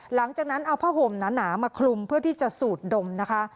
หลังจากนั้นเอาผ้าห่มหนามาคลุมเพื่อที่จะสูดดมนะคะ